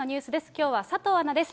きょうは佐藤アナです。